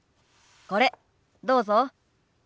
これどうぞ。